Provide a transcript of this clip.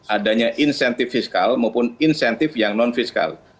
adanya insentif fiskal maupun insentif yang non fiskal